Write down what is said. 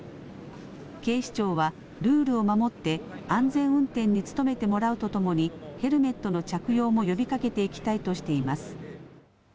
警視庁はルールを守って安全運転に努めてもらうとともにヘルメットの着用も呼びかけていきたいとしています。